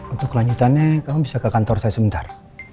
untuk kelanjutannya kamu bisa ke kantor saya sebentar